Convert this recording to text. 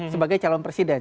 sebagai calon presiden